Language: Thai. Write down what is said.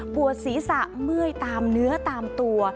ปวดศีรษะเมื่อยตามเนื้อตามตัว